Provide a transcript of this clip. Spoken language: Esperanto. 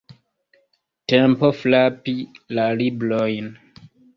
Tempo frapi la librojn!